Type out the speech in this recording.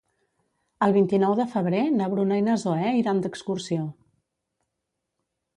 El vint-i-nou de febrer na Bruna i na Zoè iran d'excursió.